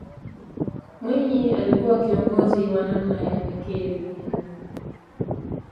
mwinyi alikuwa kiongozi wa namna ya pekee duniani